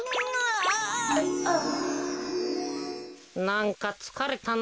なんかつかれたな。